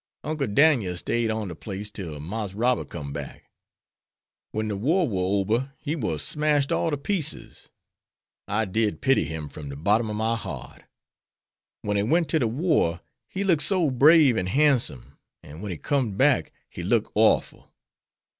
Uncle Dan'el stayed on de place till Marse Robert com'd back. When de war war ober he war smashed all ter pieces. I did pity him from de bottom ob my heart. When he went ter de war he looked so brave an' han'some; an' wen he com'd back he looked orful.